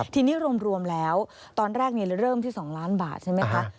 ทีนี้รวมแล้วตอนแรกเริ่มที่๒ล้านบาทใช่ไหมคะ